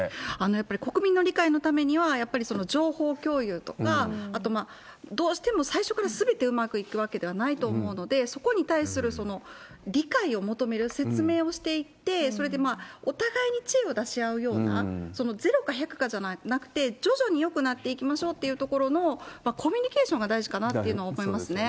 やっぱり国民の理解のためには、やっぱりその情報共有とか、あと、どうしても最初からすべてうまくいくわけではないと思うので、そこに対する理解を求める説明をしていって、それでお互いに知恵を出し合うような、ゼロか１００かじゃなくて、徐々によくなっていきましょうっていうところの、コミュニケーションが大事かなというふうには思いま